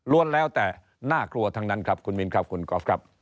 แล้วแต่น่ากลัวทั้งนั้นครับคุณมินครับคุณกอล์ฟครับ